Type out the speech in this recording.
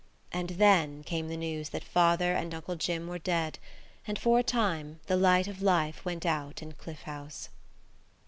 And then came the news that father and Uncle Jim were dead, and for a time the light of life went out in Cliff House.